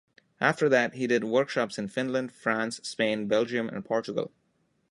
After that he did workshops in Finland, France, Spain, Belgium, and Portugal.